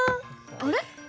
あれ？